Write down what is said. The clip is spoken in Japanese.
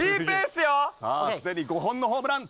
すでに５本のホームラン。